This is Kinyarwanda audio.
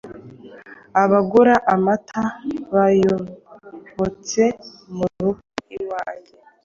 abagura amata bayobote murugo iwanjye